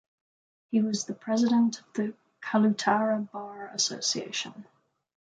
He was the President of the Kalutara Bar Association.